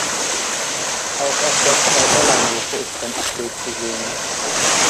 Auch auf der Zwei-Dollar-Note ist sein Abbild zu sehen.